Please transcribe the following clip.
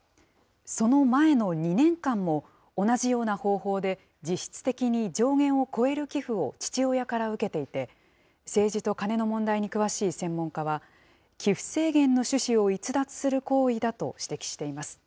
その前の２年間も、同じような方法で、実質的に上限を超える寄付を父親から受けていて、政治とカネの問題に詳しい専門家は、寄付制限の趣旨を逸脱する行為だと指摘しています。